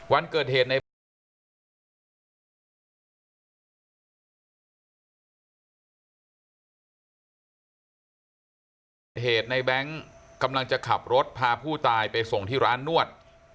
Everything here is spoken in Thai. วันเกิดเหตุในแบงค์กำลังจะขับรถพาผู้ตายไปส่งที่ร้านนวด